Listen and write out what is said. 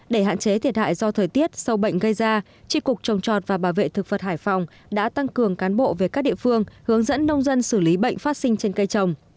để hạn chế thiệt hại do thời tiết sâu bệnh gây ra tri cục trồng trọt và bảo vệ thực vật hải phòng đã tăng cường cán bộ về các địa phương hướng dẫn nông dân xử lý bệnh phát sinh trên cây trồng